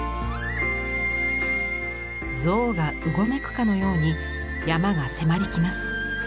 象がうごめくかのように山が迫り来ます。